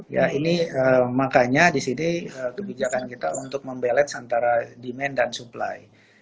ya ini makanya di sini kebijakan kita untuk membalance antara demand dan supply